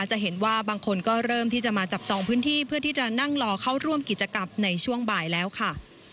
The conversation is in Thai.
จะเห็นว่าบางคนก็เริ่มที่จะมาจับจองพื้นที่เพื่อที่จะนั่งรอเข้าร่วมกิจกรรมในช่วงบ่ายแล้วค่ะ